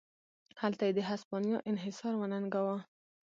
هلته یې د هسپانیا انحصار وننګاوه.